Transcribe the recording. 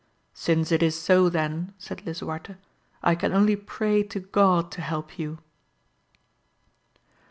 Since it is so then, said Lisuarte, I can only pray to God to help you.